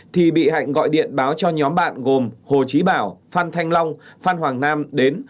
thì bị hạnh gọi điện báo cho nhóm bạn gồm hồ chí bảo phan thanh long phan hoàng nam đến